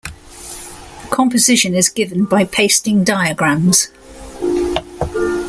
Composition is given by pasting diagrams.